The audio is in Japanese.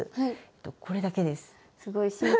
これだけです。